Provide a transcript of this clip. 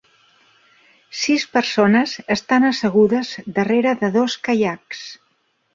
Sis persones estan assegudes darrere de dos caiacs.